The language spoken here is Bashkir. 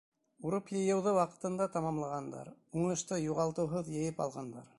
Урып йыйыуҙы ваҡытында тамамлағандар, уңышты юғалтыуһыҙ йыйып алғандар.